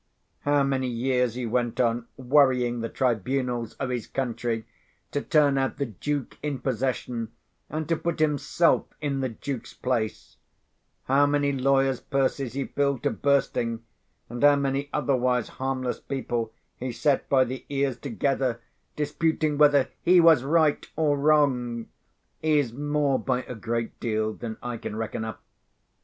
How many years he went on worrying the tribunals of his country to turn out the Duke in possession, and to put himself in the Duke's place—how many lawyer's purses he filled to bursting, and how many otherwise harmless people he set by the ears together disputing whether he was right or wrong—is more by a great deal than I can reckon up.